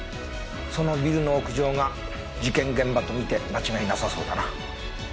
そのビルの屋上が事件現場と見て間違いなさそうだな。